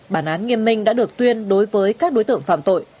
bản án nghiêm minh đã được tuyên đối với các đối tượng phạm tội